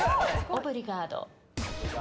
オブリガード。